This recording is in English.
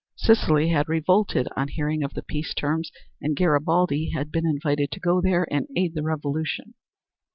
Sicily had revolted on hearing of the peace terms and Garibaldi had been invited to go there and aid the revolution.